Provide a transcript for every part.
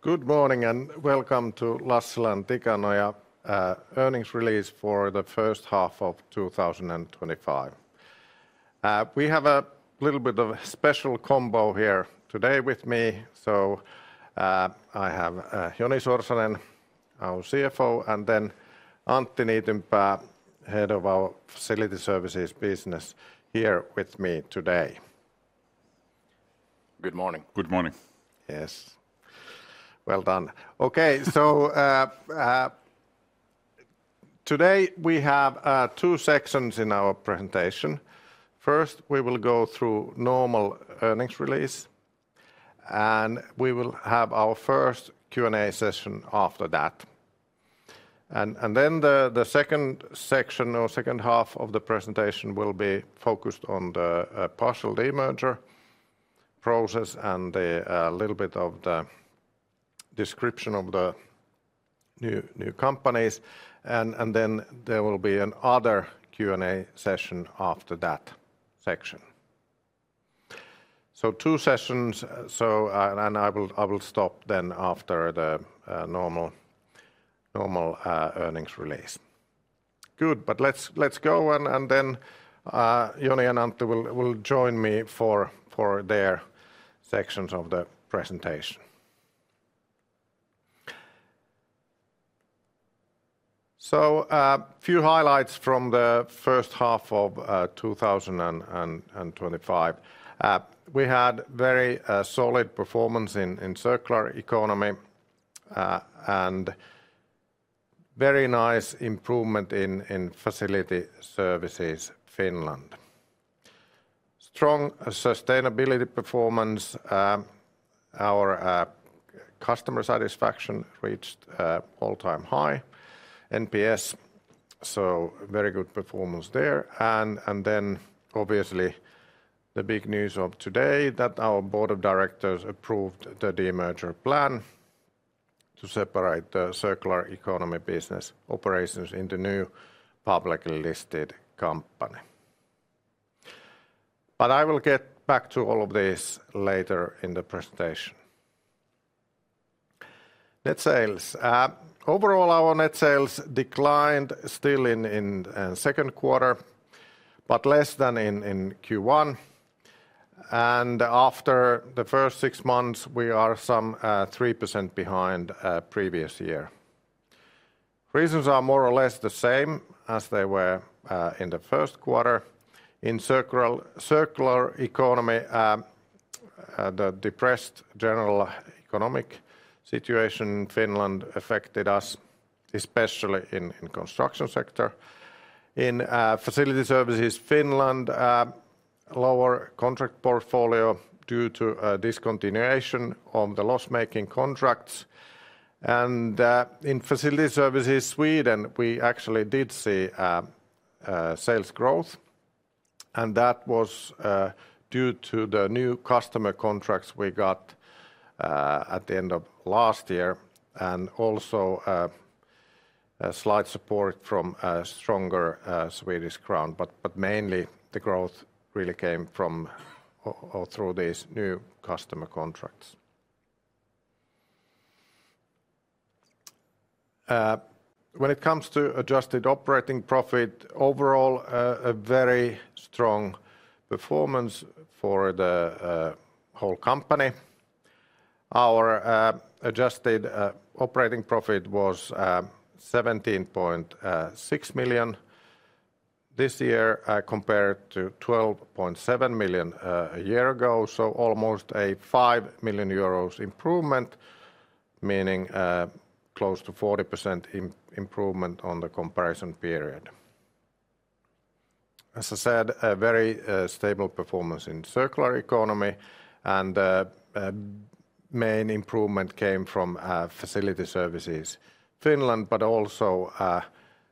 Good morning and welcome to Lassila & Tikanoja Oyj earnings release for the first half of 2025. We have a little bit of a special combo here today with me. I have Joni Sorsanen, our CFO, and then Antti Tervo, Head of Facility Services business here with me today. Good morning. Good morning. Yes, well done. Okay, today we have two sections in our presentation. First, we will go through normal earnings release and we will have our first Q and A session after that. The second section or second half of the presentation will be focused on the partial demerger process and a little bit of the description of the new companies. There will be another Q and A session after that section. Two sessions. I will stop then after the normal earnings release. Good, let's go. Joni Sorsanen and Antti Tervo will join me for their sections of the presentation. A few highlights from the first half of 2025. We had very solid performance in Circular Economy and very nice improvement in Facility Services Finland. Strong sustainability performance. Our customer satisfaction reached all-time high Net Promoter Score, so very good performance there. Obviously, the big news of today is that our Board of Directors approved the demerger plan to separate the Circular Economy business operations into a new publicly listed company. I will get back to all of this later in the presentation. Net sales overall, our net sales declined still in the second quarter, but less than in Q1. After the first six months, we are some 3% behind previous year. Reasons are more or less the same as they were in the first quarter. In Circular Economy, the depressed general economic situation in Finland affected us, especially in the construction sector. In Facility Services Finland, lower contract portfolio due to a discontinuation of the loss-making contracts. In Facility Services Sweden, we actually did see sales growth and that was due to the new customer contracts we got at the end of last year and also slight support from a stronger Swedish crown. Mainly, the growth really came through these new crown customer contracts. When it comes to adjusted operating profit overall, a very strong performance for the whole company. Our adjusted operating profit was € 17.6 million this year compared to € 12.7 million a year ago. Almost a € 5 million improvement. Improvement meaning close to 40% improvement on the comparison period. As I said, a very stable performance in Circular Economy and main improvement came from Facility Services Finland, but also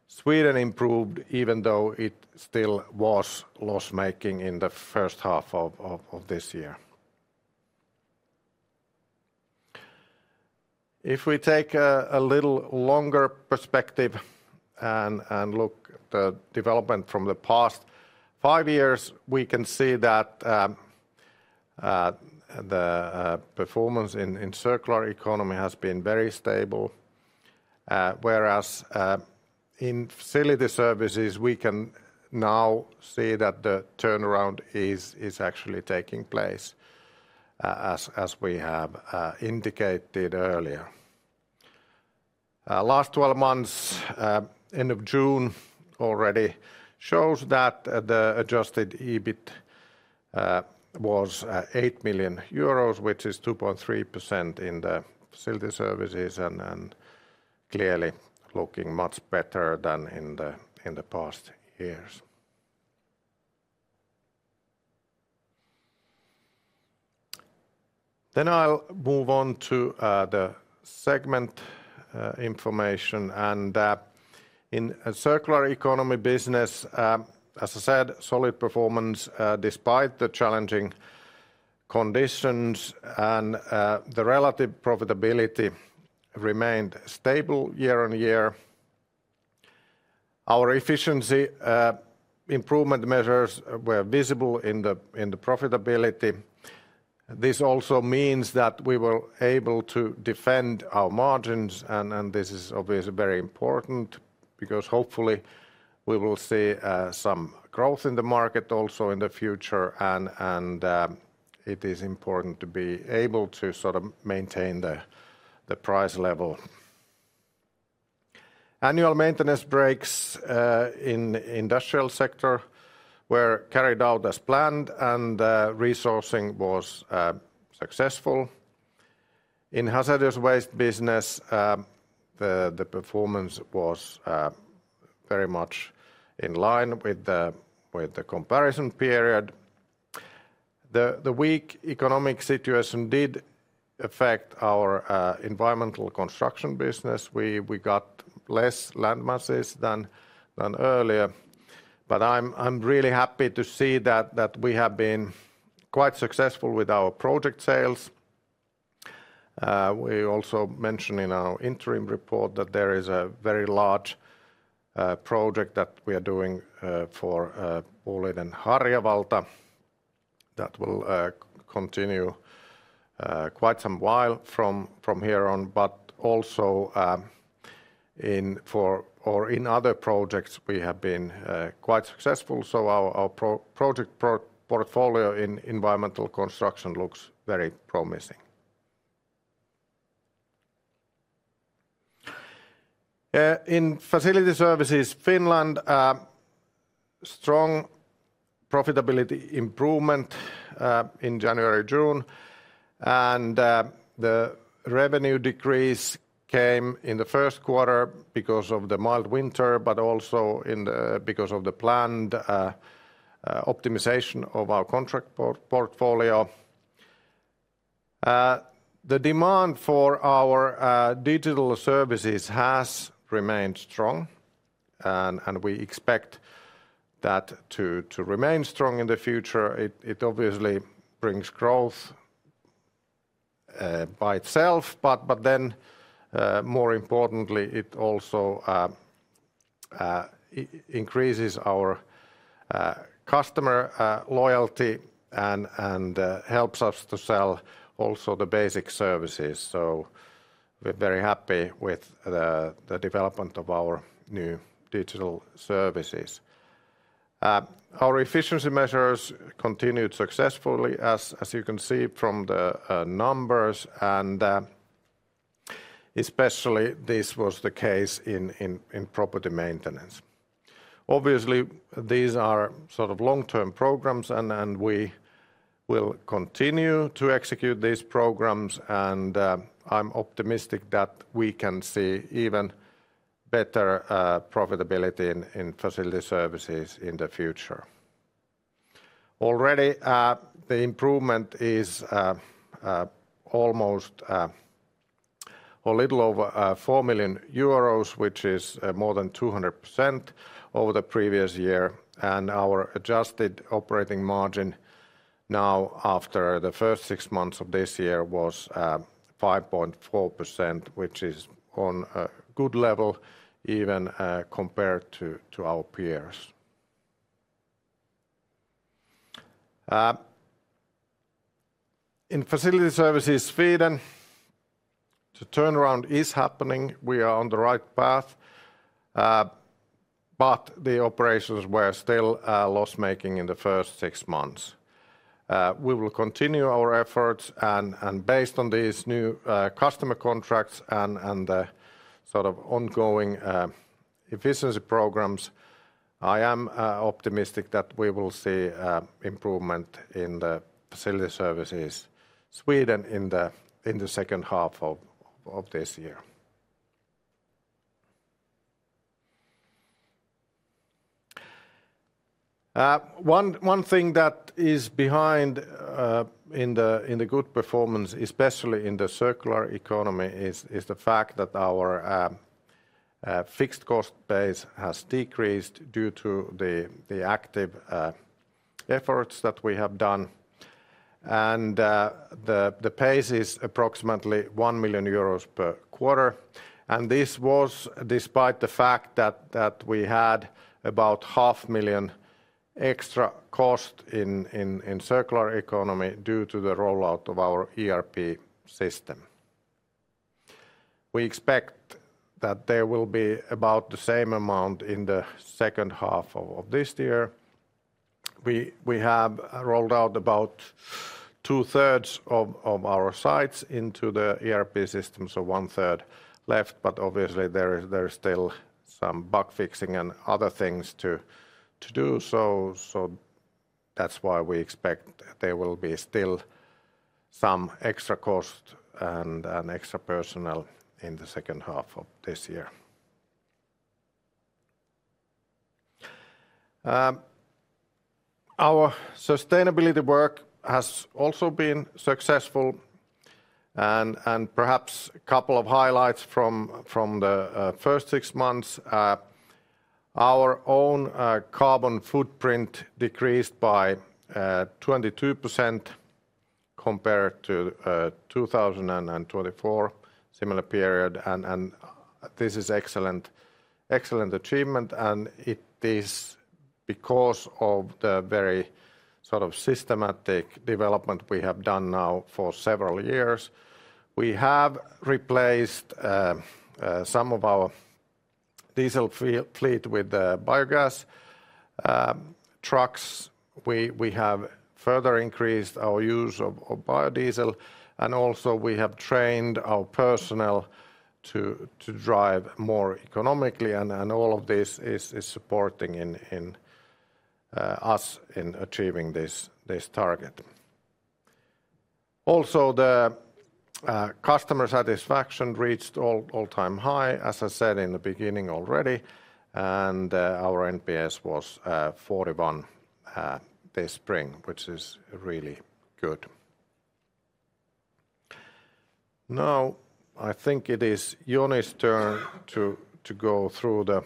Sweden improved even though it still was loss-making in the first half of this year. If we take a little longer perspective and look at the development from the past five years, we can see that the performance in Circular Economy has been very stable. Whereas in Facility Services we can now see that the turnaround is actually taking place. As we have indicated earlier, last 12 months end of June already shows that the Adjusted EBITA was € 8 million, which is 2.3% in the Facility Services and clearly looking much better than in the past years. I'll move on to the segment information. In Circular Economy business, as I said, solid performance despite the challenging conditions and the relative profitability remained stable year on year. Our efficiency improvement measures were visible in the profitability. This also means that we were able to defend our margins and this is obviously very important because hopefully we will see some growth in the market also in the future and it is important to be able to sort of maintain the price level. Annual maintenance breaks in Industrial Services sector were carried out as planned and resourcing was successful. In hazardous waste business the performance was very much in line with the comparison period. The weak economic situation did affect our environmental construction business. We got less land masses than earlier. I'm really happy to see that we have been quite successful with our project sales. We also mentioned in our interim report that there is a very large project that we are doing for Outokumpu and Helen Oy that will continue quite some while from here on. Also in other projects we have been quite successful. Our project portfolio in environmental construction looks very promising. In Facility Services Finland, strong profitability improvement in January-June and the revenue decrease came in the first quarter because of the mild winter, but also because of the planned optimization of our contract portfolio. The demand for our digital services has remained strong and we expect that to remain strong in the future. It obviously brings growth by itself, but more importantly it also increases our customer loyalty and helps us to sell also the basic services. We're very happy with the development of our new digital services. Our efficiency measures continued successfully as you can see from the numbers. Especially this was the case in property maintenance. Obviously these are sort of long-term programs and we will continue to execute these programs. I'm optimistic that we can see even better profitability in Facility Services in the future. Already, the improvement is a little over € 4 million, which is more than 200% over the previous year. Our adjusted operating margin now after the first six months of this year was 5.4%, which is on a good level even compared to our peers in Facility Services Sweden, the turnaround is happening. We are on the right path. The operations were still loss making in the first six months. We will continue our efforts, and based on these new customer contracts and the ongoing efficiency programs, I am optimistic that we will see improvement in the Facility Services Sweden in the second half of this year. One thing that is behind the good performance, especially in the Circular Economy, is the fact that our fixed cost base has decreased due to the active efforts that we have done. The pace is approximately € 1 million per quarter. This was despite the fact that we had about € 0.5 million extra cost in Circular Economy due to the rollout of our ERP system. We expect that there will be about the same amount in the second half of this year. We have rolled out about 2/3 of our sites into the ERP system, so 1/3 left. Obviously, there is still some bug fixing and other things to do. That's why we expect there will be still some extra cost and extra personnel in the second half of this year. Our sustainability work has also been successful, and perhaps a couple of highlights from the first six months. Our own carbon footprint decreased by 22% compared to the 2024 similar period. This is an excellent achievement, and it is because of the very systematic development we have done now for several years. We have replaced some of our diesel fleet with biogas trucks. We have further increased our use of biodiesel, and also we have trained our personnel to drive more economically. All of this is supporting us in achieving this target. Also, the customer satisfaction reached all-time high, as I said in the beginning already, and our Net Promoter Score was 41 this spring, which is really good. Now, I think it is Joni's turn to go through the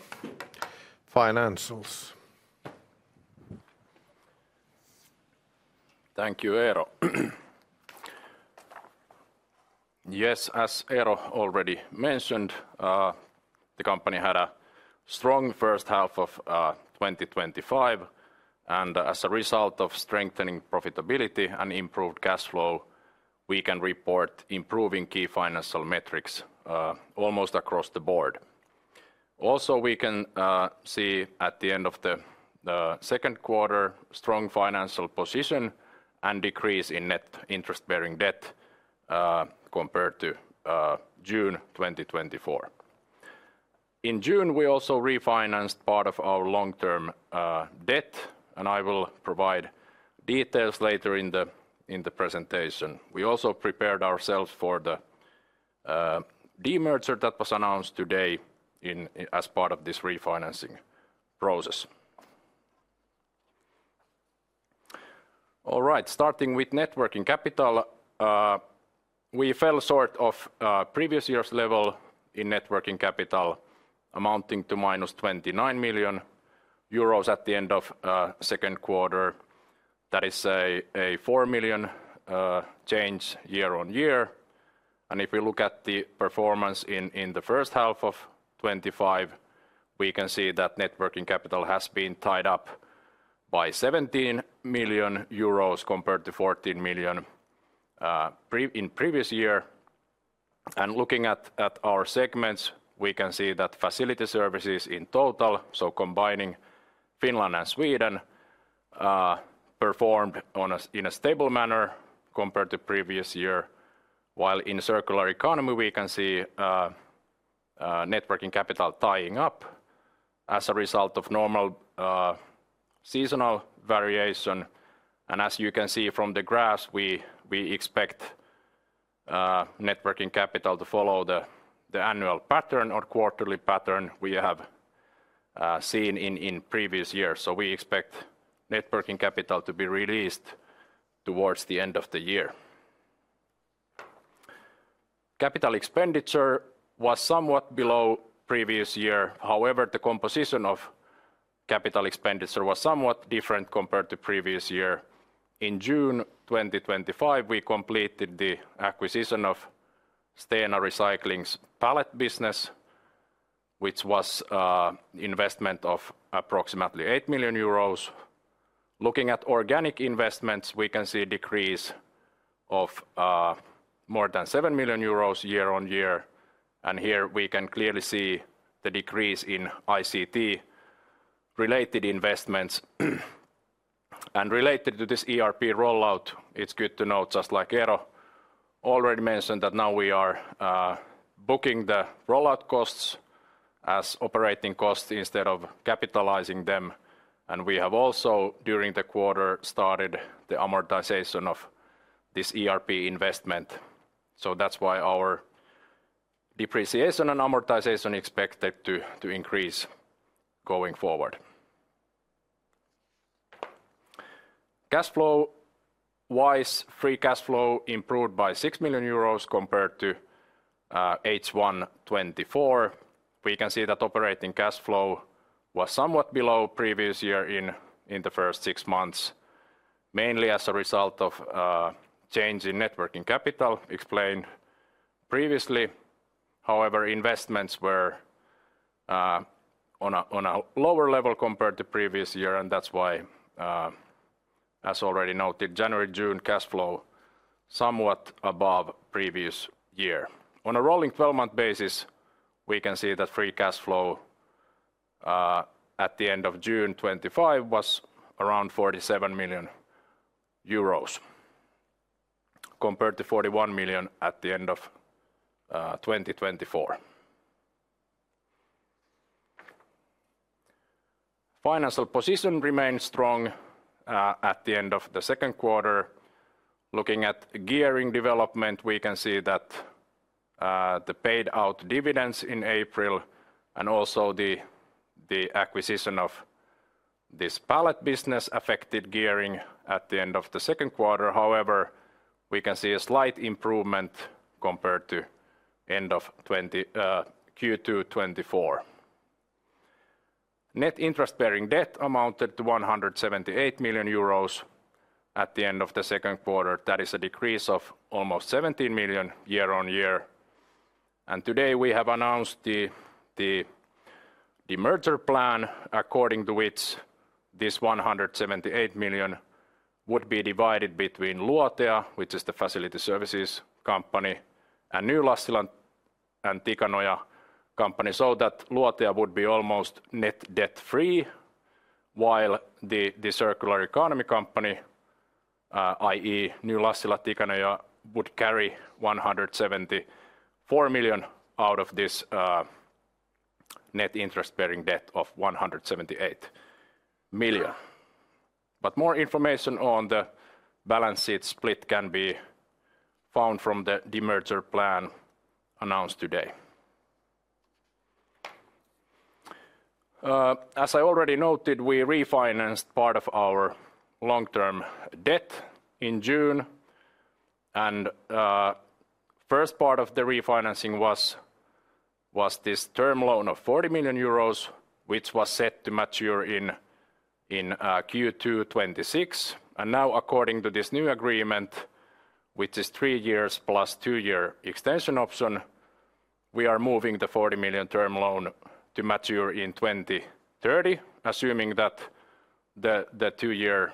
financials. Thank you, Eero. Yes, as Eero already mentioned, the company had a strong first half of 2025 and as a result of strengthening profitability and improved cash flow, we can report improving key financial metrics almost across the board. Also, we can see at the end of the second quarter strong financial position and decrease in net interest-bearing debt compared to June 2024. In June, we also refinanced part of our long-term debt and I will provide details later in the presentation. We also prepared ourselves for the demerger that was announced today as part of this refinancing process. All right, starting with net working capital, we fell short of previous year's level in net working capital amounting to -€ 29 million at the end of the second quarter. That is a € 4 million change year on year. If we look at the performance in 1H25, we can see that net working capital has been tied up by € 17 million compared to € 14 million in previous year. Looking at our segments, we can see that Facility Services in total, combining Finland and Sweden, performed in a stable manner compared to previous year, while in Circular Economy we can see net working capital tying up as a result of normal seasonal variation. As you can see from the graphs, we expect net working capital to follow the annual pattern or quarterly pattern we have seen in previous years. We expect net working capital to be released towards the end of the year. Capital expenditure was somewhat below previous year, however, the composition of capital expenditure was somewhat different compared to previous year. In June 2025, we completed the acquisition of Stena Recycling Oy's pallet business, which was an investment of approximately € 8 million. Looking at organic investments, we can see decrease of more than € 7 million year on year. Here we can clearly see the decrease in ICT-related investments and related to this ERP rollout. It's good to note, just like Eero already mentioned, that now we are booking the rollout costs as operating costs instead of capitalizing them. We have also during the quarter started the amortization of this ERP investment. That's why our depreciation and amortization expect to increase going forward. Cash flow wise, free cash flow improved by € 6 million compared to H124. We can see that operating cash flow was somewhat below previous year in the first six months mainly as a result of change in net working capital explained previously. However, investments were on a lower level compared to previous year, and that's why, as already noted, January-June cash flow was somewhat above previous year on a rolling 12-month basis. We can see that free cash flow at the end of June 25th was around € 47 million compared to € 41 million at the end of 2024. Financial position remains strong at the end of the second quarter. Looking at gearing development, we can see that the paid out dividends in April and also the acquisition of this pallet business affected gearing at the end of the second quarter. However, we can see a slight improvement compared to end o f Q2 2024. Net interest-bearing debt amounted to €178 million at the end of the second quarter. That is a decrease of almost € 17 million year on year. Today we have announced the merger plan according to which this € 178 million would be divided between Lotia, which is the facility services company, and New Lassila & Tikanoja Oyj, so that Lotia would be almost net debt free while the circular economy company, that is New Lassila & Tikanoja Oyj, would carry € 174 million out of this net interest-bearing debt of € 178 million. More information on the balance sheet split can be found from the demerger plan announced today. As I already noted, we refinanced part of our long-term debt in June, and the first part of the refinancing was this term loan of € 40 million which was set to mature in Q2 2026, and now according to this new agreement, which is three years plus a two-year extension option, we are moving the € 40 million term loan to mature in 2030 assuming that the two-year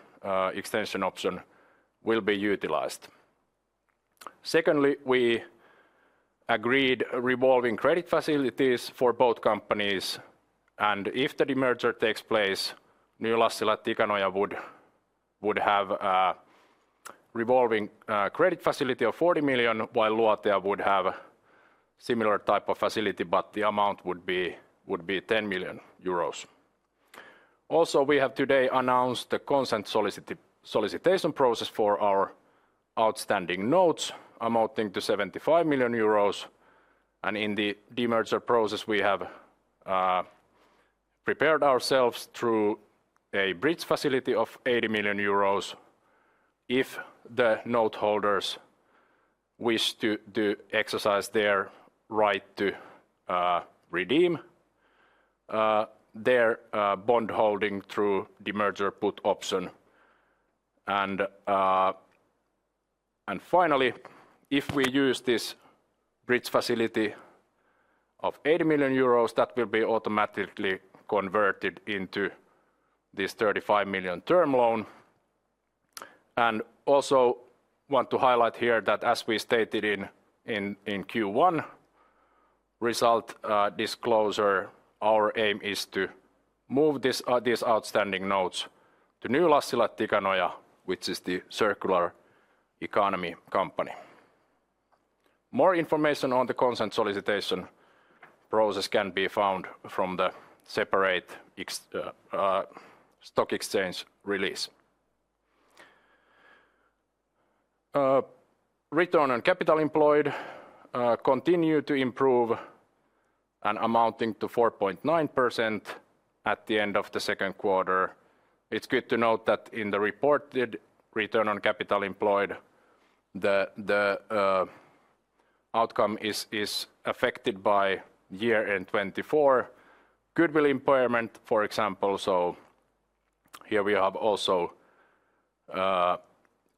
extension option will be utilized. Secondly, we agreed revolving credit facilities for both companies, and if the demerger takes place, New Lassila & Tikanoja Oyj would have a revolving credit facility of € 40 million while Lotia would have a similar type of facility but the amount would be € 10 million. Also, we have today announced the consent solicitation process for our outstanding notes amounting to € 75 million. In the demerger process, we have prepared ourselves through a bridge facility of € 80 million if the note holders wish to exercise their right to redeem their bond holding through the merger put option. Finally, if we use this bridge facility of € 80 million, that will be automatically converted into this € 35 million term loan. I also want to highlight here that, as we stated in the Q1 result disclosure, our aim is to move these outstanding notes to New Lassila & Tikanoja Oyj, which is the Circular Economy company. More information on the consent solicitation process can be found from the separate stock exchange release. Return on capital employed continued to improve, amounting to 4.9% at the end of the second quarter. It's good to note that in the reported return on capital employed, the outcome is affected by year-end 2024 goodwill impairment, for example. Here we have also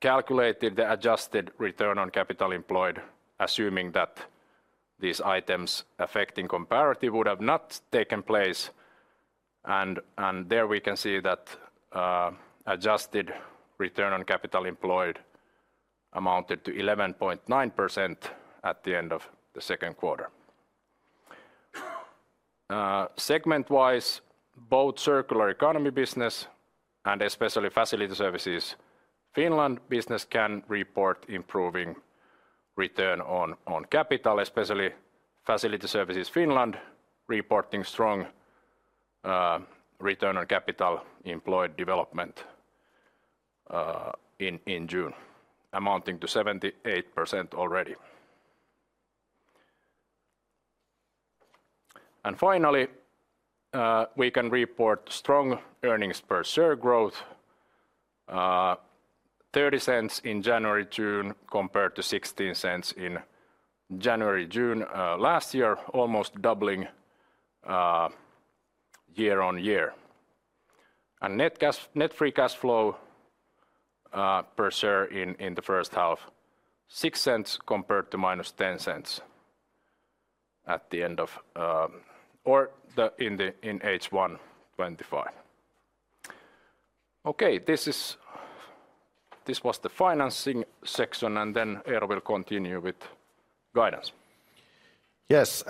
calculated the adjusted return on capital employed, assuming that these items affecting comparability would not have taken place. There we can see that adjusted return on capital employed amounted to 11.9% at the end of the second quarter. Segment-wise, both Circular Economy business and especially Facility Services Finland business can report improving return on capital, especially Facility Services Finland reporting strong return on capital employed development in June, amounting to 78% already. We can report strong earnings per share growth, $0.30 in January–June compared to $0.16 in January–June last year, almost doubling year on year, and net free cash flow per share in the first half, $0.06 compared to -$0.10 at the end of or in H1 2025. This was the financing section. Here we'll continue with guidance. Yes,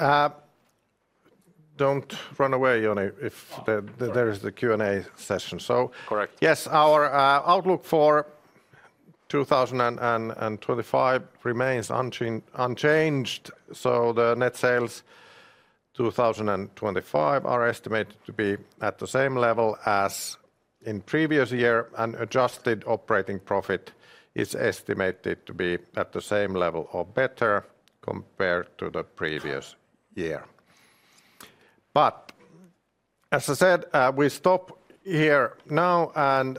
don't run away Joni if there is the Q and A session. Our outlook for 2025 remains unchanged. The net sales 2025 are estimated to be at the same level as in the previous year, and adjusted operating profit is estimated to be at the same level or better compared to the previous year. As I said, we stop here now and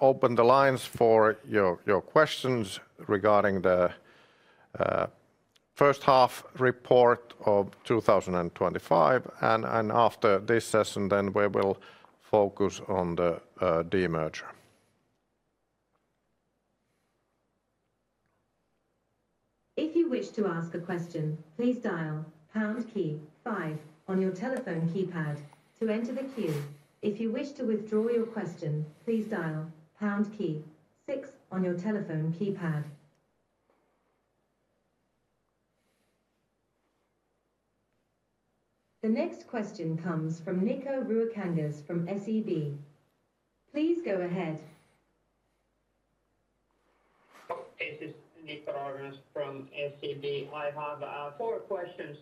open the lines for your questions regarding the first half report of 2025. After this session, we will focus on the demerger. If you wish to ask a question, please dial on your telephone keypad to enter the queue. If you wish to withdraw your question, please dial six on your telephone keypad. The next question comes from Nico Ruokangas from SEB, please go ahead. Nico Ruokangas from SEB. I have four questions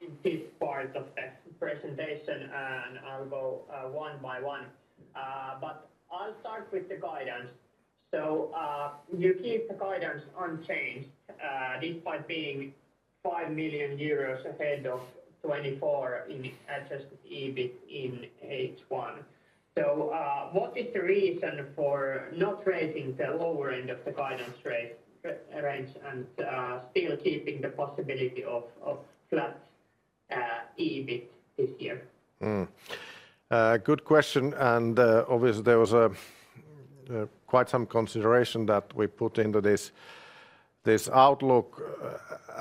in this part of the presentation and I'll go one by one, but I'll start with the guidance. You keep the guidance unchanged despite being €5 million ahead of 2024 in Adjusted EBITA in H1. What is the reason for not raising the lower end of the guidance range and still keeping the possibility of flat? Good question. Obviously, there was quite some consideration that we put into this outlook.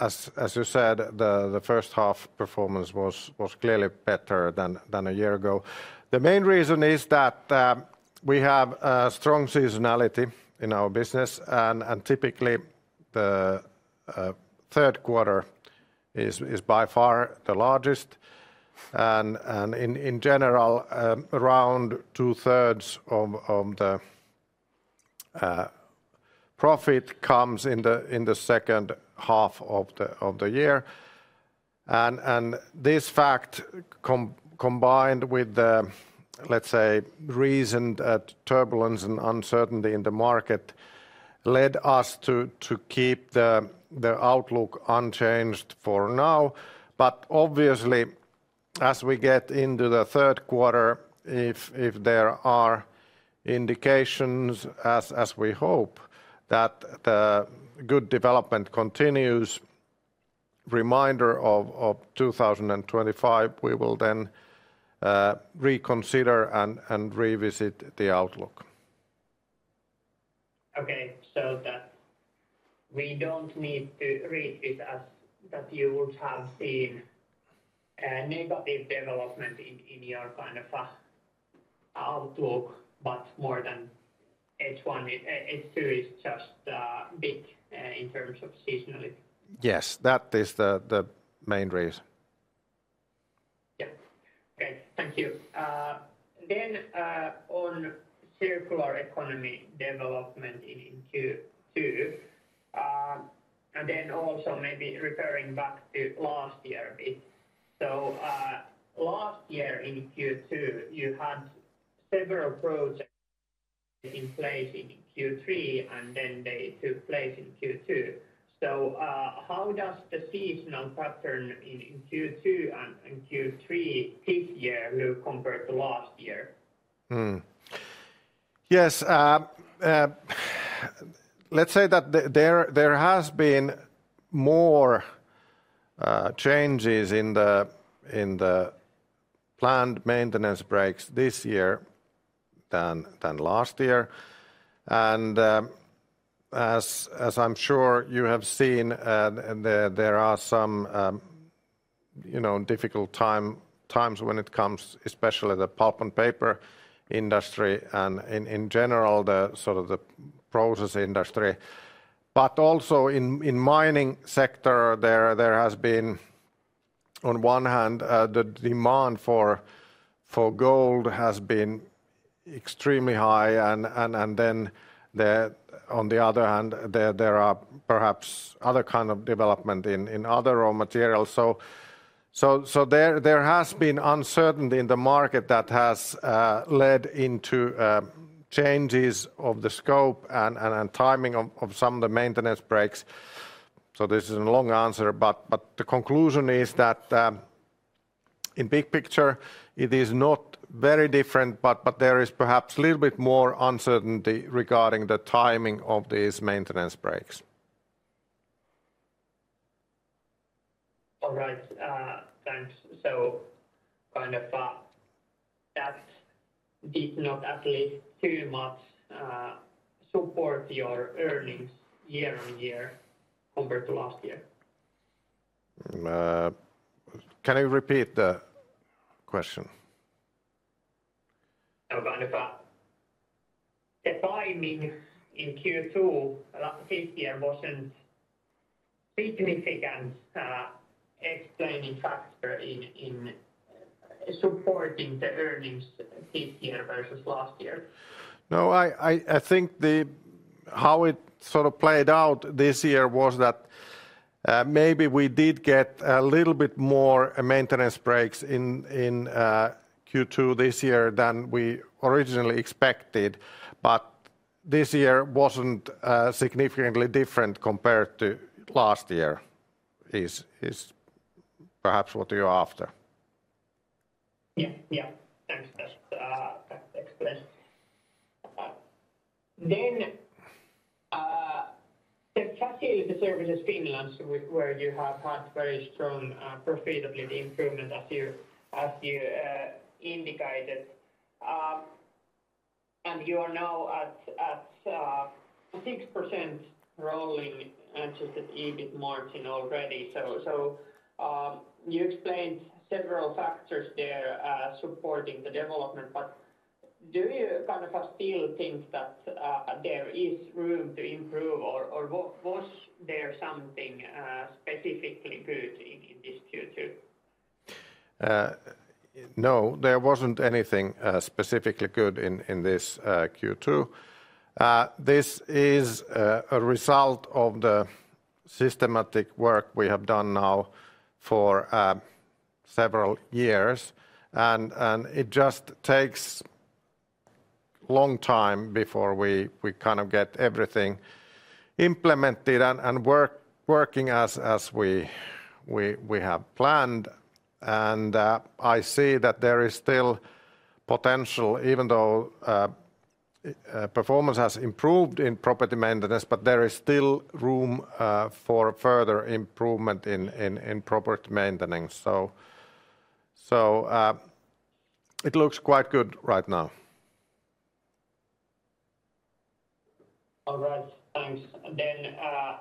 As you said, the first half performance was clearly better than a year ago. The main reason is that we have strong seasonality in our business, and typically the third quarter is by far the largest. In general, around two thirds of the profit comes in the second half of the year. This fact, combined with, let's say, recent turbulence and uncertainty in the market, led us to keep the outlook unchanged for now. Obviously, as we get into the third quarter, if there are indications, as we hope, that the good development continues for the remainder of 2025, we will then reconsider and revisit the outlook. We don't need to read it as that you would have seen negative development in your panel outlook, but more than H1, H2 is just big. Yes, that is the main reason. Thank you. Then on Circular Economy development in cities and also maybe referring back to last year, last year in Q2 you had several growth, inflation, Q3 and they took place in Q2. How does the seasonal pattern in Q2 and Q3 this year look compared to last year? Yes, let us say that there has been more changes in the planned maintenance breaks this year than last year. As I'm sure you have seen, there are some difficult times when it comes, especially the pulp and paper industry and in general process industry, but also in mining sector, there has been on one hand the demand for gold has been extremely high and then on the other hand there are perhaps other kind of development in other raw materials. There has been uncertainty in the market that has led into changes of the scope and timing of some of the maintenance breaks. This is a long answer, but the conclusion is that in big picture it is not very different, but there is perhaps a little bit more uncertainty regarding the timing of these maintenance breaks. All right, thanks so much. Kind of tax did not actually too much support your earnings year on year compared to last year. Can you repeat the question? The timing in Q2 last year wasn't. Significant. Explaining factor in supporting the earnings versus last year. No, I think how it sort of played out this year was that maybe we did get a little bit more maintenance breaks in Q2 this year than we originally expected, but this year wasn't significantly different compared to last year. Is perhaps what you're after. Then. The Facility Services finance where you have had very strong profitability improvement as you indicated, and you are now at 6% rolling Adjusted EBITA margin already. You explained several factors there supporting the development. Do you kind of still think that there is room to improve, or was there something specifically good in this Q2? No, there wasn't anything specifically good in this Q2. This is a result of the systematic work we have done now for several years, and it just takes a long time before we kind of get everything implemented and working as we have planned. I see that there is still potential even though performance has improved in property maintenance, but there is still room for further improvement in property maintenance. It looks quite good right now. Congrats. Thanks.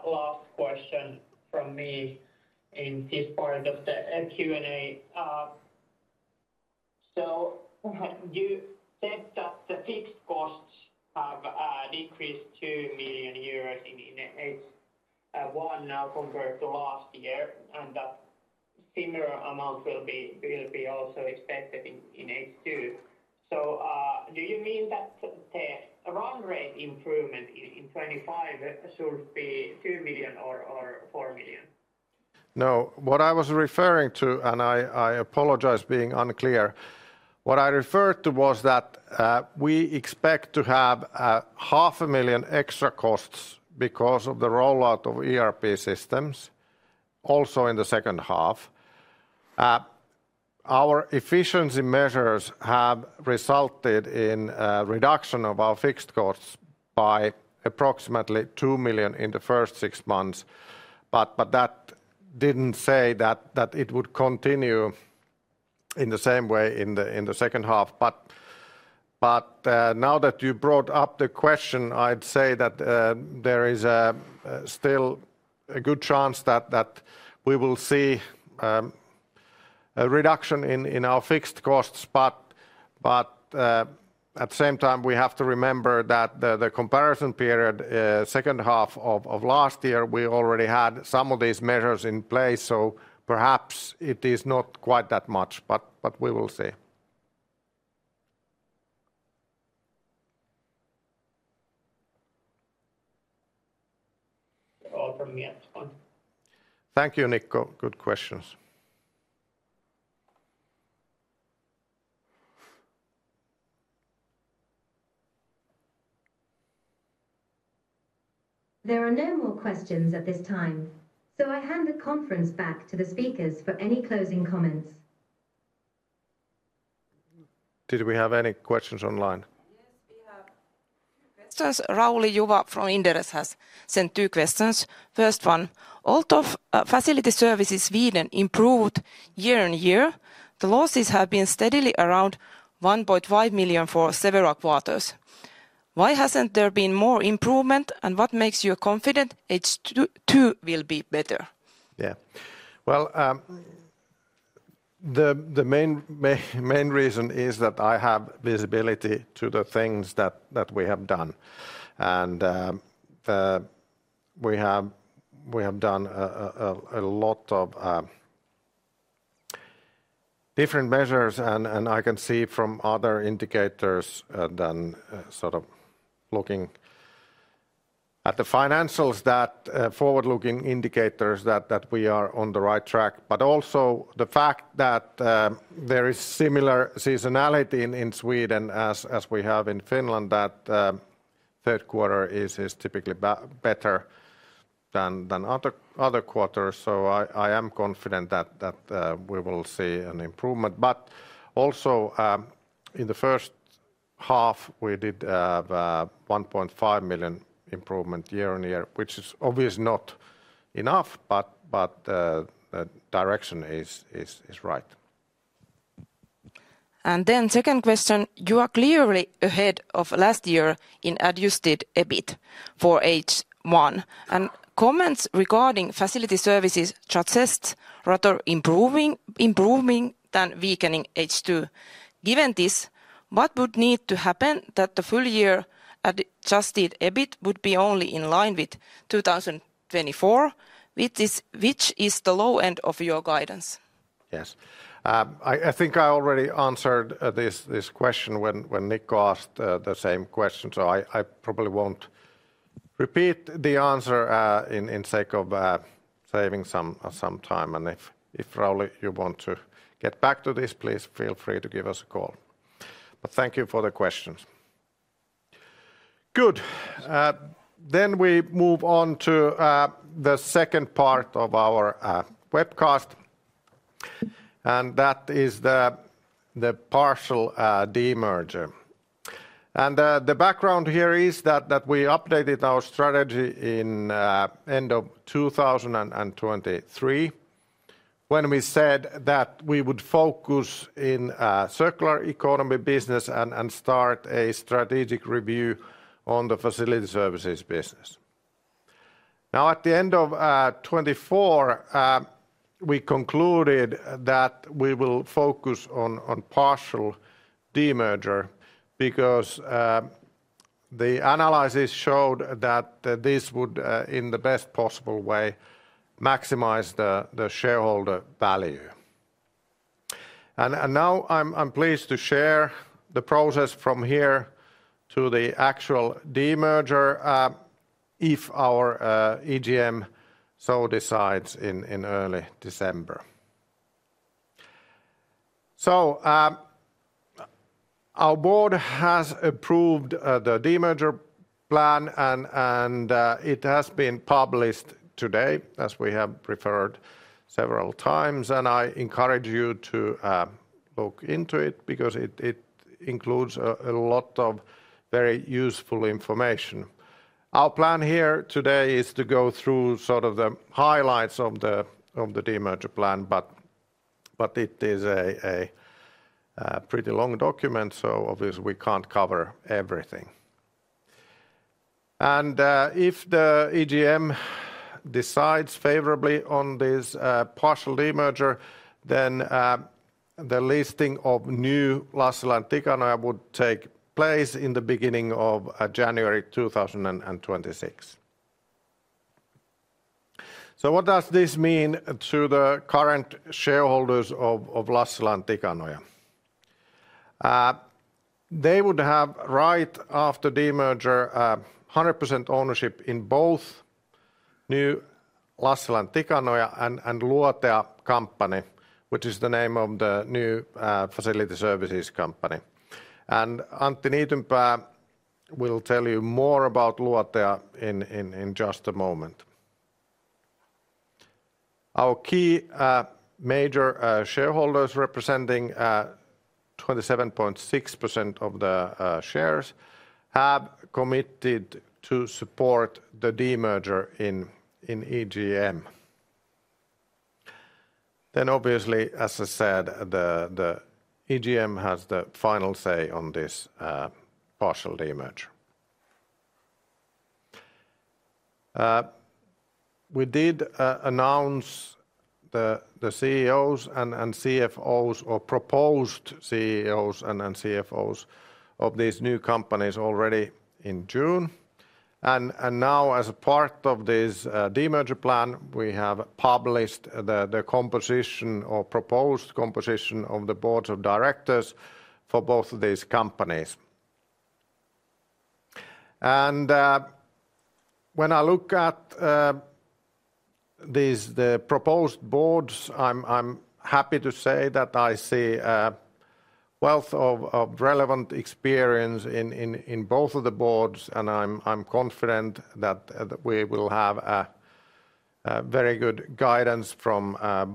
Last question from me in this part of the Q and A. You said that the fixed costs have decreased € 2 million in H1 now compared to last year, and that similar amount will be also expected in H2. Do you mean that the run rate improvement in 2025 should be € 2 million or € 4 million? No, what I was referring to, and I apologize for being unclear, what I referred to was that we expect to have € 0.5 million extra costs because of the rollout of ERP systems. Also, in the second half, our efficiency measures have resulted in reduction of our fixed costs by approximately € 2 million in the first six months. That didn't say that it would continue in the same way in the second half. Now that you brought up the question, I'd say that there is still a good chance that we will see a reduction in our fixed costs. At the same time, we have to remember that the comparison period, second half of last year, we already had some of these measures in place, so perhaps it is not quite that much, but we will see. Okay that is all. Thank you, Nico. Good questions. There are no more questions at this time, so I hand the conference back to the speakers for any closing comments. Did we have any questions online? Rauli Jova from Inderes has sent two questions. First one, Lotia Facility Services Sweden improved year-on-year. The loss has been steadily around $1.5 million for several quarters. Why hasn't there been more improvement, and what makes you confident H2 will be better? The main reason is that I have visibility to the things that we have done and we have done a lot of different measures, and I can see from other indicators than sort of looking at the financials, that forward-looking indicators show we are on the right track. Also, the fact that there is similar seasonality in Sweden as we have in Finland, that third quarter is typically better than other quarters. I am confident that we will see an improvement. Also, in the first half we did a € 1.5 million improvement year-on-year, which is obviously not enough, but the direction is right. And then the second question, you are clearly ahead of last year in Adjusted EBITA for H1, and comments regarding Facility Services suggest rather improving than weakening H2. Given this, what would need to happen that the full year adjusted operating profit would be only in line with 2024, which is the low end of your guidance? Yes, I think I already answered this question when Nikko asked the same question, so I probably won't repeat the answer in sake of saving some time. If Rauli, you want to get back to this, please feel free to give us a call. Thank you for the questions. Good. We move on to the second part of our webcast and that is the partial demerger. The background here is that we updated our strategy in end of 2023 when we said that we would focus in Circular Economy business and start a strategic review on the Facility Services business. Now at the end of 2024 we concluded that we will focus on partial demerger because the analysis showed that this would in the best possible way maximize the shareholder value. Now I'm pleased to share the process from here to the actual demerger if our EGM so decides in early December. So our board has approved the demerger plan and it has been published today as we have referred several times, and I encourage you to look into it because it includes a lot of very useful information. Our plan here today is to go through sort of the highlights of the demerger plan, but it is a pretty long document, so obviously we can't cover everything. If the EGM decides favorably on this partial demerger, then the listing of New Lassila & Tikanoja Oyj would take place in the beginning of January 2026. What does this mean to the current shareholders of Lassila & Tikanoja Oyj? They would have right after demerger 100% ownership in both New Lassila & Tikanoja Oyj and Lotia, which is the name of the new facility services company. Antti Tervo will tell you more about Lotia in just a moment. Our key major shareholders representing 27.6% of the shares have committed to support the demerger in the EGM. Obviously, as I said, the EGM has the final say on this partial demerger. We did announce the CEOs and CFOs or proposed CEOs and CFOs of these new companies already in June. Now as a part of this demerger plan, we have published the composition or proposed composition of the board of directors for both of these companies. When I look at these, the proposed boards, I'm happy to say that I see a wealth of relevant experience in both of the boards and I'm confident that we will have very good guidance from the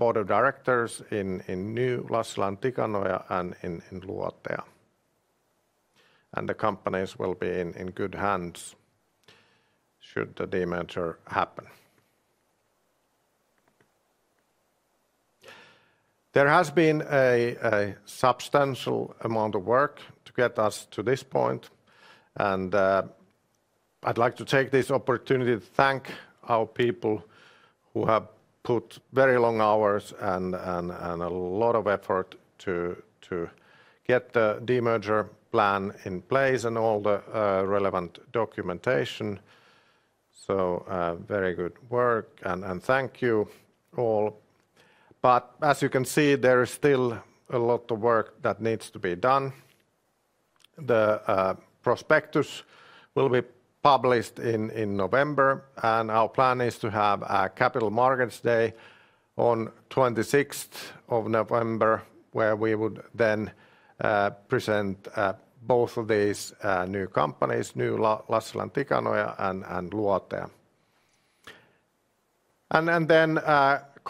board of directors in New Lassila & Tikanoja Oyj and in Lotia, and the companies will be in good hands should the demerger happen. There has been a substantial amount of work to get us to this point and I'd like to take this opportunity to thank our people who have put very long hours and a lot of effort to get the demerger plan in place and all the relevant documentation. Very good work and thank you all. As you can see, there is still a lot of work that needs to be done. The prospectus will be published in November and our plan is to have a capital markets day on 26th of November where we would then present both of these new companies, New Lassila & Tikanoja Oyj and Lotia.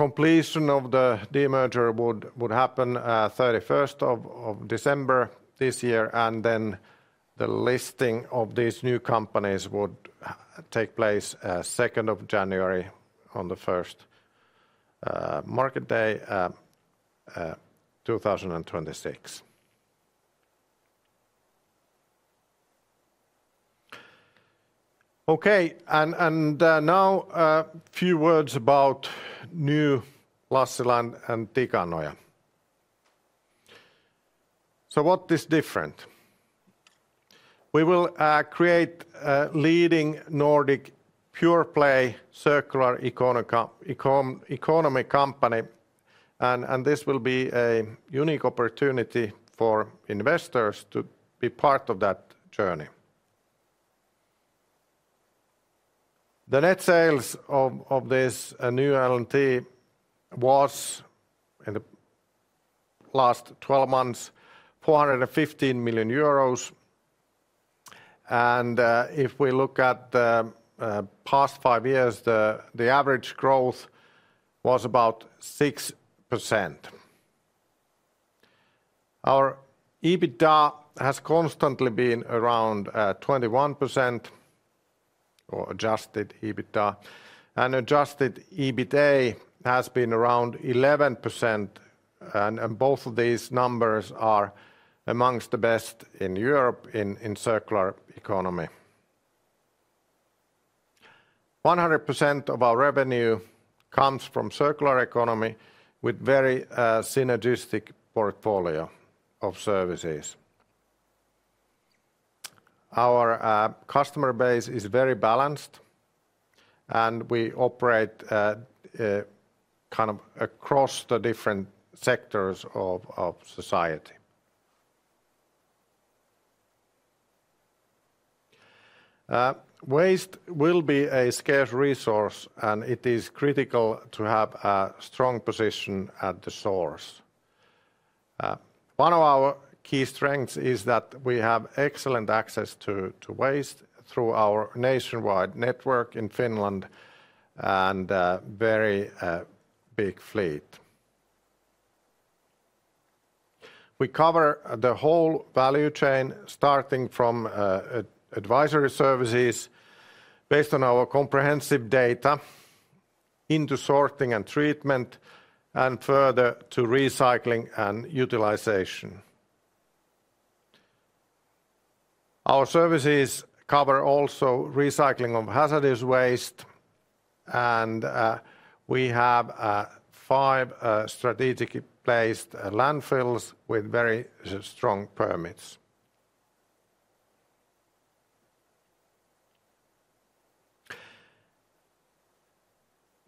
Completion of the demerger would happen 31st of December this year. The listing of these new companies would take place 2nd of January on the first market day 2026. Okay, and now a few words about New Lassila & Tikanoja Oyj. So what is different, we will create a leading Nordic pure play circular economy company. This will be a unique opportunity for investors to be part of that journey. The net sales of this New Lassila & Tikanoja Oyj was in the last 12 months, € 415 million. If we look at the past five years, the average growth was about 6%. Our EBITA has constantly been around 21% or Adjusted EBITA, and Adjusted EBITA has been around 11%. Both of these numbers are amongst the best in Europe in Circular Economy. 100% of our revenue comes from Circular Economy with a very synergistic portfolio of services. Our customer base is very balanced, and we operate across the different sectors of society. Waste will be a scarce resource, and it is critical to have a strong position at the source. One of our key strengths is that we have excellent access to waste through our nationwide network in Finland and a very big fleet. We cover the whole value chain, starting from advisory services based on our comprehensive data into sorting and treatment and further to recycling and utilization. Our services cover also recycling of hazardous waste, and we have five strategically placed landfills with very strong permits.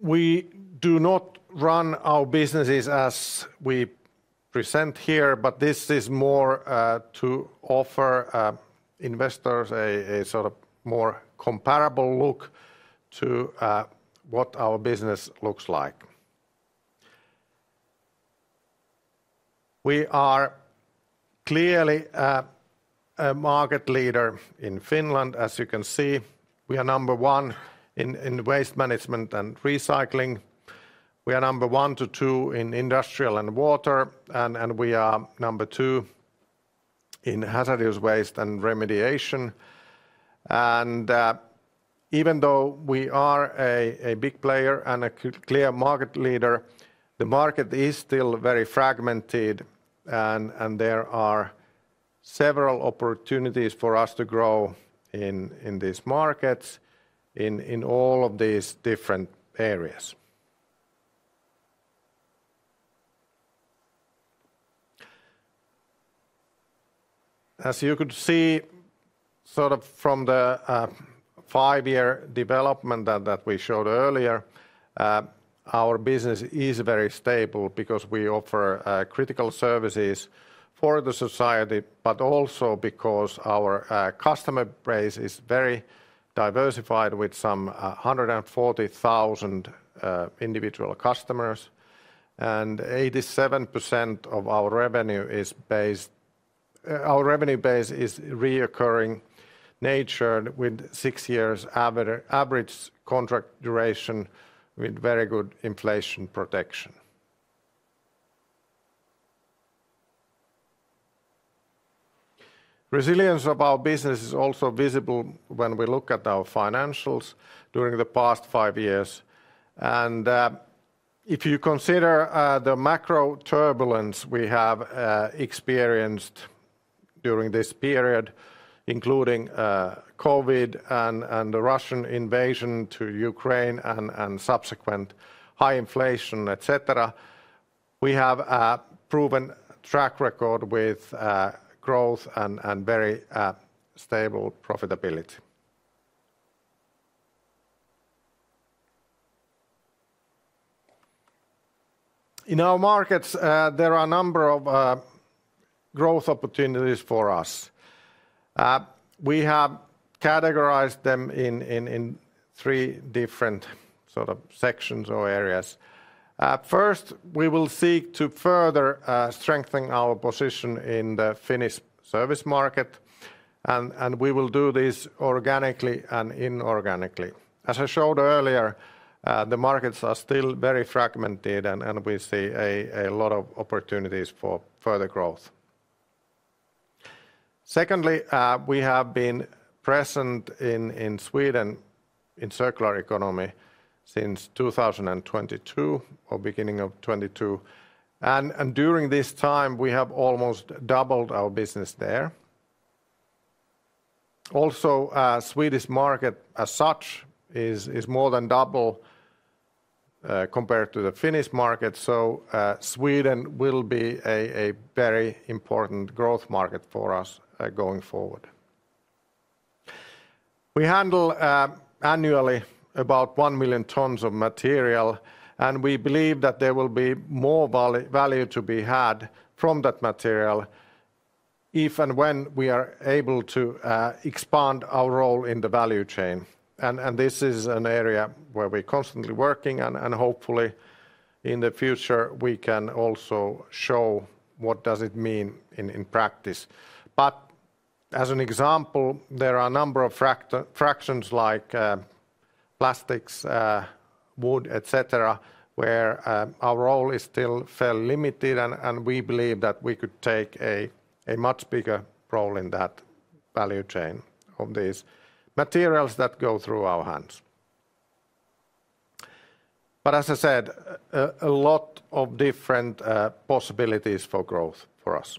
We do not run our businesses as we present here, but this is more to offer investors a sort of more comparable look to what our business looks like. We are clearly a market leader in Finland. As you can see, we are number one in waste management and recycling, we are number one to two in industrial and water, and we are number two in hazardous waste and remediation. Even though we are a big player and a clear market leader, the market is still very fragmented. There are several opportunities for us to grow in these markets. In all of these different areas, as you could see from the five-year development that we showed earlier, our business is very stable because we offer critical services for society, but also because our customer base is very diversified with some 140,000 individual customers and 87% of our revenue is based. Our revenue base is recurring in nature with six years average contract duration with very good inflation protection. Resilience of our business is also visible when we look at our financials during the past five years. If you consider the macro turbulence we have experienced during this period, including Covid and the Russian invasion to Ukraine and subsequent high inflation, etc. We have a proven track record with growth and very stable profitability in our markets. There are a number of growth opportunities for us. We have categorized them in three different sort of sections or areas. First, we will seek to further strengthen our position in the Finnish service market and we will do this organically and inorganically. As I showed earlier, the markets are still very fragmented and we see a lot of opportunities for further growth. Secondly, we have been present in Sweden in Circular Economy since 2022 or beginning of 2022. During this time we have almost doubled our business there. Also, Swedish market as such is more than double compared to the Finnish market. Sweden will be a very important growth market for us going forward. We handle annually about 1 million tons of material and we believe that there will be more value to be had from that material if and when we are able to expand our role in the value chain. This is an area where we're constantly working and hopefully in the future we can also show what does it mean in practice. For example, there are a number of fractions like plastics, wood, etc. where our role is still fairly limited and we believe that we could take a much bigger role in that value chain of these materials that go through our hands. As I said, a lot of different possibilities for growth for us.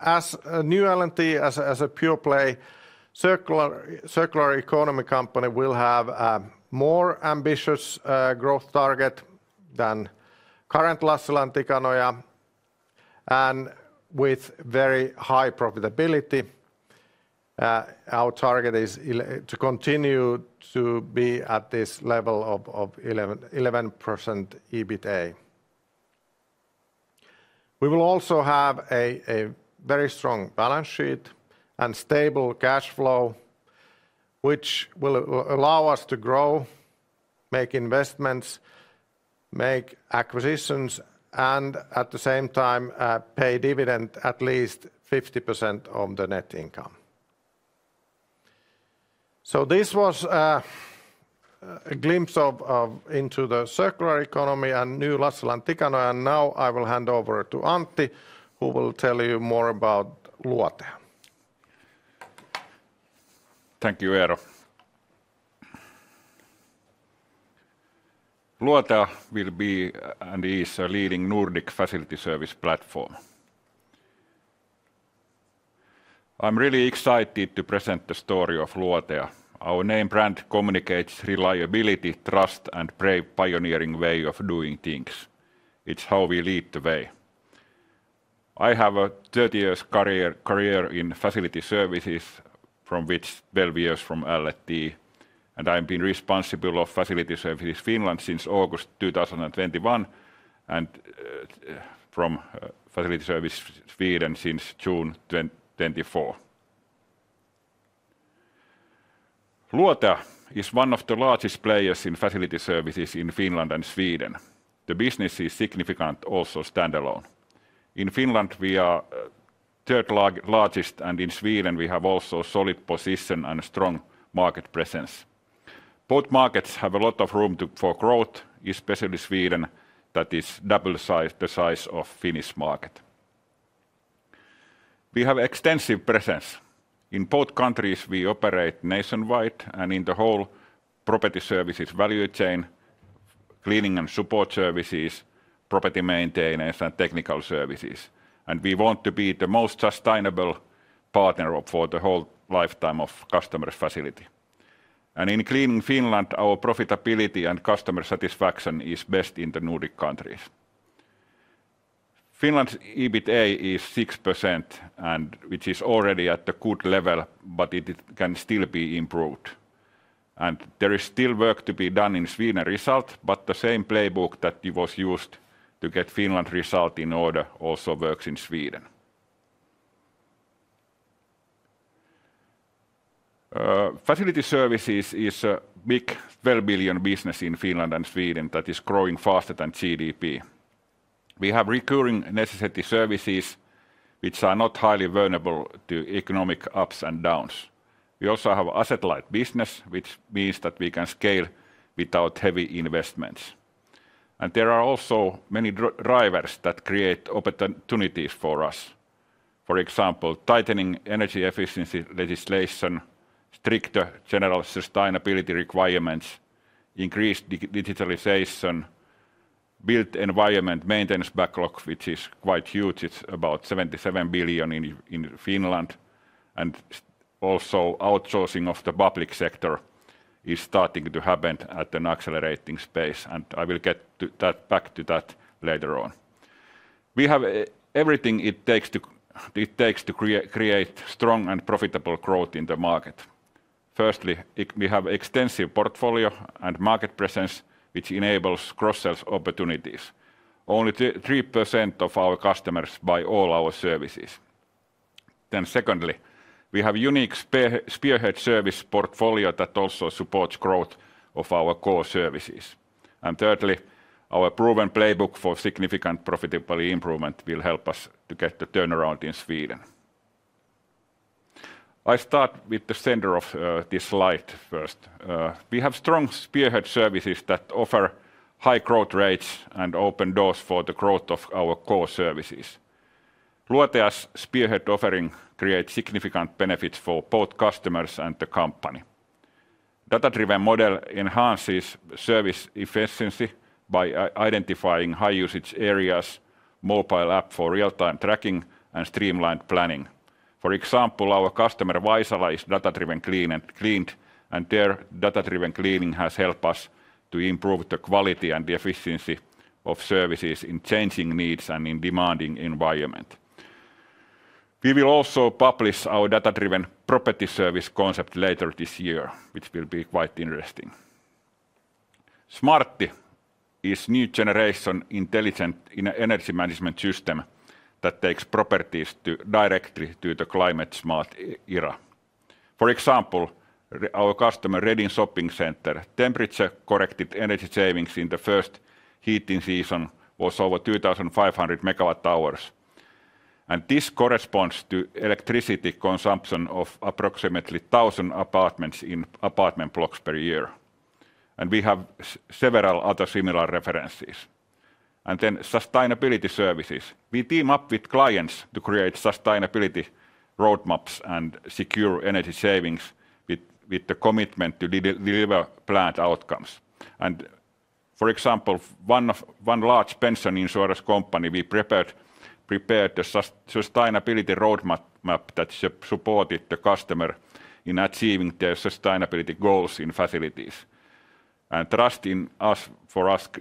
As a New Lassila & Tikanoja Oyj, as a pure play Circular Economy company, we will have a more ambitious growth target than current Lassila & Tikanoja Oyj and with very high profitability. Our target is to continue to be at this level of 11% EBITA. We will also have a very strong balance sheet and stable cash flow which will allow us to grow, make investments, make acquisitions and at the same time pay dividend at least 50% of the net income. This was a glimpse into the Circular Economy and New Lassila & Tikanoja Oyj. Now I will hand over to Antti who will tell you more about Lotia. Thank you Eero. Lotia will be and is leading Nordic facility service platform. I'm really excited to present the story of Lotia. Our name brand communicates reliability, trust, and brave pioneering way of doing things. It's how we lead the way. I have a 30 years career in Facility Services from which Belvius from Lassila & Tikanoja Oyj and I've been responsible of Facility Services Finland since August 2021 and of Facility Services Sweden since June 2024. Lotia is one of the largest players in facility services in Finland and Sweden. The business is significant, also standalone. In Finland we are third largest and in Sweden we have also solid position and strong market presence. Both markets have a lot of room for growth, especially Sweden that is double the size of Finnish market. We have extensive presence in both countries. We operate nationwide and in the whole property services value chain, cleaning and support services, property maintenance, and technical services. We want to be the most sustainable partner for the whole lifetime of customer facility and in clean Finland. Our profitability and customer satisfaction is best in the Nordic countries. Finland's EBITA is 6% which is already at a good level, but it can still be improved. There is still work to be done in Sweden result. The same playbook that was used to get Finland result in order also works in Sweden. Facility services is a big, fair billion business in Finland and Sweden that is growing faster than GDP. We have recurring necessity services which are not highly vulnerable to economic ups and downs. We also have asset light business which means that we can scale without heavy investments. There are also many drivers that create opportunities for us. For example, tightening energy efficiency legislation, stricter general sustainability requirements, increased digitalization, built environment maintenance backlog, which is quite huge. It's about € 7.7 billion in Finland. Also, outsourcing of the public sector is starting to happen at an accelerating pace. I will get back to that later on. We have everything it takes to create strong and profitable growth in the market. Firstly, we have extensive portfolio and market presence which enables cross-sell opportunities. Only 3% of our customers buy all our services. Secondly, we have unique spearhead service portfolio that also supports growth of our core services. Thirdly, our proven playbook for significant profitability improvement will help us to get the turnaround in Sweden. I start with the center of this slide. First, we have strong spearhead services that offer high growth rates and open doors for the growth of our core services. Rootear's spearhead offering creates significant benefits for both customers and the company. Data-driven model enhances service efficiency by identifying high usage areas, mobile app for real-time tracking and streamlined planning. For example, our customer visualizes data-driven clean and cleaned. Their data-driven cleaning has helped us to improve the quality and the efficiency of services in changing needs and in demanding environment. We will also publish our data-driven property service concept later this year, which will be quite interesting. Smarti is new generation intelligent energy management system that takes properties directly to the climate smart era. For example, our customer, Reading Shopping Center, temperature-corrected energy savings in the first heating season was over 2,500 megawatt hours. This corresponds to electricity consumption of approximately 1,000 apartments in apartment blocks per year. We have several other similar references. Then sustainability services. We team up with clients to create sustainability roadmaps and secure energy savings with the commitment to deliver planned outcomes. For example, one large pension insurance company, we prepared the sustainability roadmap that supported the customer in achieving their sustainability goals in facilities and trust in us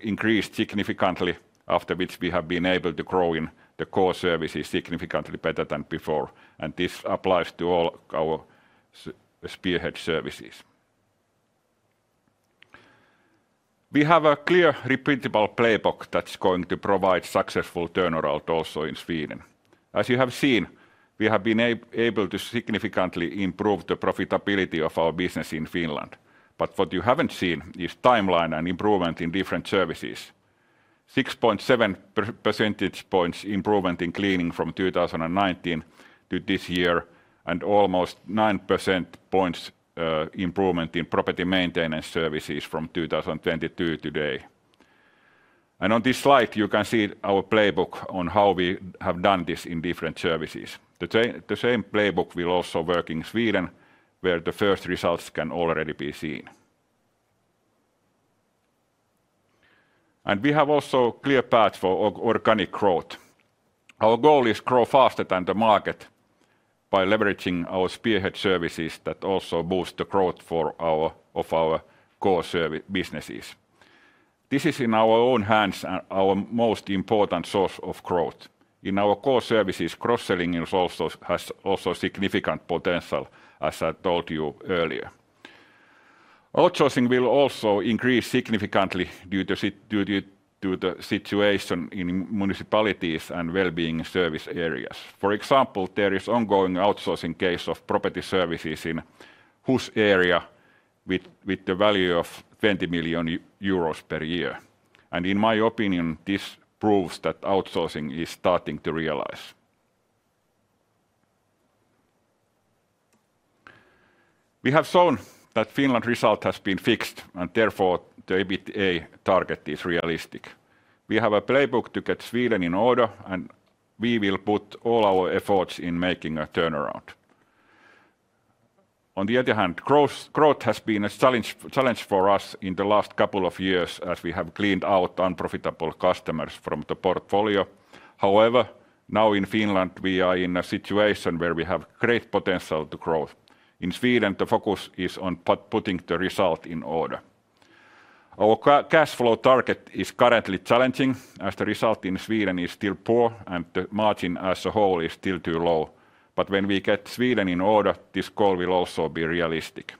increased significantly, after which we have been able to grow in the core services significantly better than before. This applies to all our spearhead services. We have a clear repeatable playbook that's going to provide successful turnaround. Also in Sweden, as you have seen, we have been able to significantly improve the profitability of our business in Finland. What you haven't seen is timeline and improvement in different services. 6.7% points improvement in cleaning from 2019 to this year and almost 9% points improvement in property maintenance services from 2022 to today. On this slide you can see our playbook on how we have done this in different services. The same playbook will also work in Sweden where the first results can already be seen. We have also clear path for organic growth. Our goal is to grow faster than the market by leveraging our spearhead services that also boost the growth for our core businesses. This is in our own hands. Our most important source of growth in our core services, cross selling, has also significant potential. As I told you earlier, outsourcing will also increase significantly due to the situation in municipalities and well-being service areas. For example, there is an ongoing outsourcing case of property services in whose area with the value of € 20 million per year. In my opinion, this proves that outsourcing is starting to realize. We have shown that Finland result has been fixed and therefore the EBITA target is realistic. We have a playbook to get Sweden in order, and we will put all our efforts in making a turnaround. On the other hand, growth has been a challenge for us in the last couple of years as we have cleaned out unprofitable customers from the portfolio. However, now in Finland we are in a situation where we have great potential to grow. In Sweden, the focus is on putting the result in order. Our cash flow target is currently challenging as the result in Sweden is still poor and the margin as a whole is still too low. When we get Sweden in order, this goal will also be realistic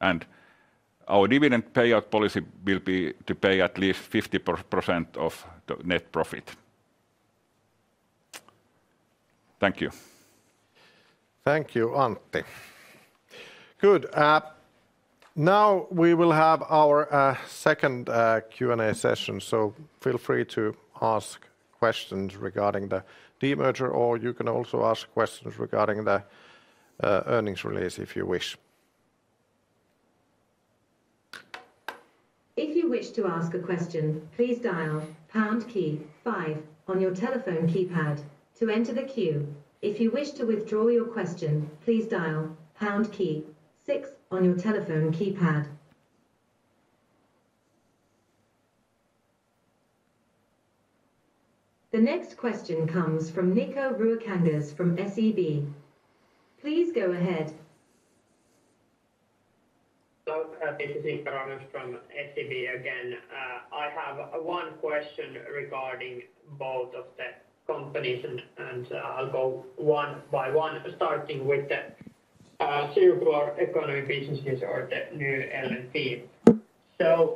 and our dividend payout policy will be to pay at least 50% of the net profit. Thank you. Thank you, Antti. Good. Now we will have our second Q&A session. Feel free to ask questions regarding the demerger. You can also ask questions regarding the earnings release if you wish. If you wish to ask a question, please dial pound key five on your telephone keypad to enter the queue. If you wish to withdraw your question, please dial pound key six on your telephone keypad. The next question comes from Nico Ruokangas from SEB. Please go ahead. This is Nico Ruokangas again from SEB. Again, I have one question regarding both of the companies and I'll go one by one, starting with Circular Economy business or the New Lassila & Tikanoja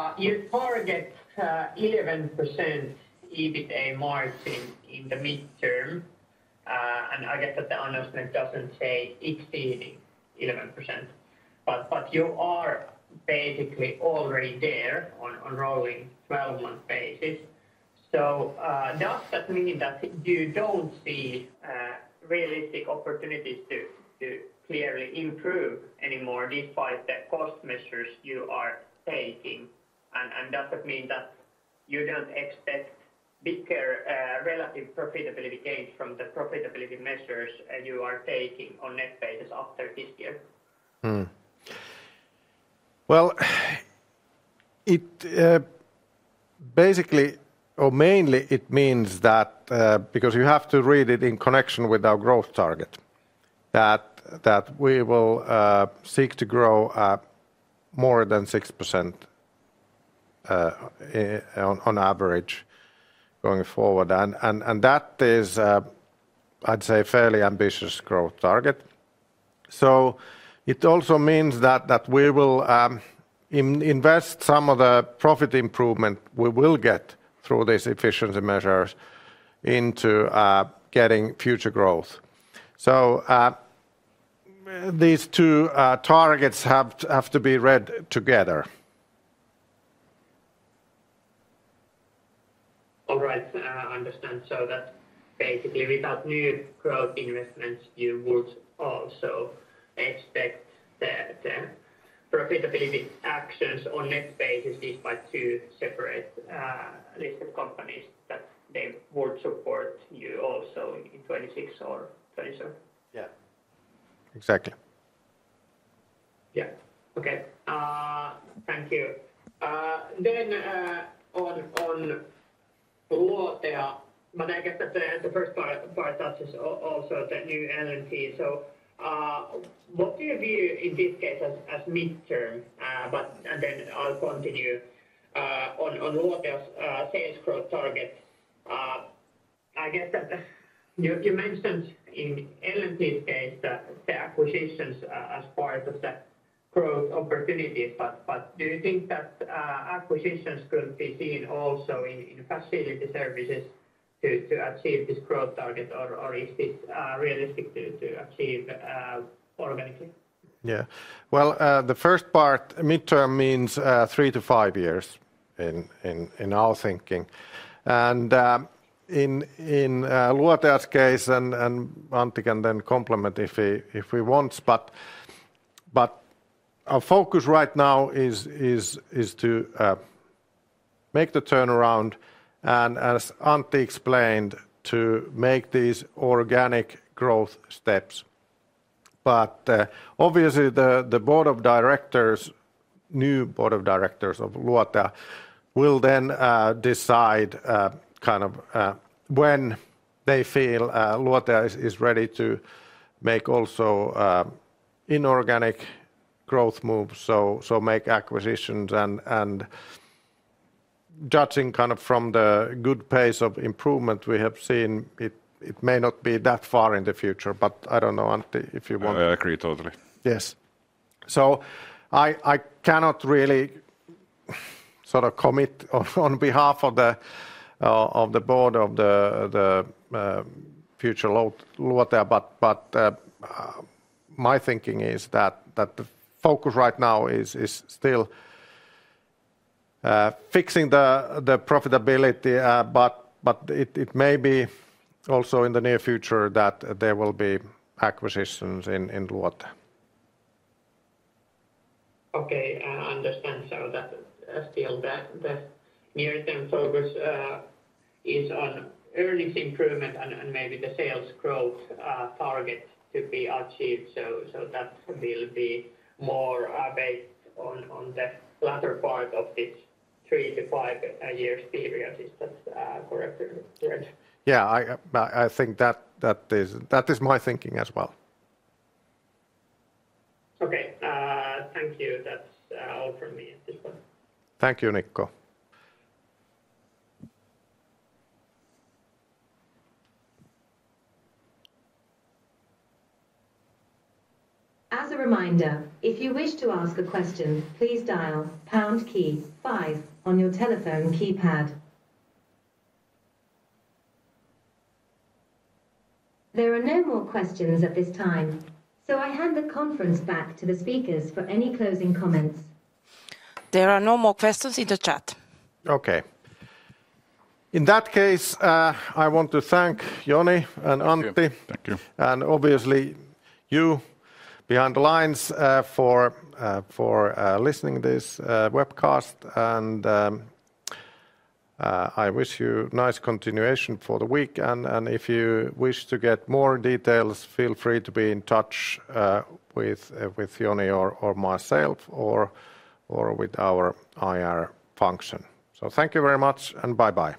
Oyj. Your target is 11% EBITDA margin in the midterm. I guess that the announcement doesn't say it's 11%, but you are basically already there on a rolling 12-month basis. Does that mean that you don't see realistic opportunities to clearly improve anymore despite the cost measures you are taking, and does it mean that you don't expect bigger relative profitability gains from the profitability measures you are taking on a net basis after this year? Well basically, or mainly it means that because you have to read it in connection with our growth target, that we will seek to grow more than 6% on average going forward. That is, I'd say, a fairly ambitious growth target. It also means that we will invest some of the profit improvement we will get through these efficiency measures into getting future growth. So these two targets have to be read together. All right, I understand. That basically, without new growth investments, you would also expect that profitability actions on net basis by two separate listed companies would support you also in 2026 or 2027. Yeah, Exactly. Yeah. Okay, thank you. On lower, the first part touches also the New Lassila & Tikanoja Oyj. What do you view in this case as midterm, and then I'll continue on. What else? Sales growth targets, I guess you mentioned in Lassila & Tikanoja Oyj the acquisitions as part of the Circular Economy opportunity. Do you think that acquisitions could be seen also in facility services to achieve this growth target, or is this realistic to achieve organically? Yeah, well, the first part, mid term, means three to five years in our thinking, and in Lotia's case, Antti can then complement if he wants. Our focus right now is to make the turnaround and, as Antti explained, to make these organic growth steps. Obviously, the new Board of Directors of Lotia will then decide when they feel Lotia is ready to make also inorganic growth moves, to make acquisitions. Judging from the good pace of improvement we have seen, it may not be that far in the future. I don't know, Antti, if you want. I agree totally. So I cannot really sort of commit on behalf of the board of the future, but my thinking is that the focus right now is still fixing the profitability. It may be also in the near future that there will be acquisitions in water. I understand. That near-term focus is on earnings improvement, and maybe the sales growth target could be achieved. That will be more based on the latter part of this three to five years period. Yeah, I think that is my thinking as well. Okay, thank you. That's all for me. Thank you, Nikko. As a reminder, if you wish to ask a question, please dial on your telephone keypad. There are no more questions at this time, so I hand the conference back to the speakers for any closing comments. There are no more questions in the chat. Okay. In that case, I want to thank Joni and Antti, and obviously you behind the lines for listening to this webcast. I wish you nice continuation for the week. If you wish to get more details, feel free to be in touch with Joni or myself or with our IR function. Thank you very much and bye bye.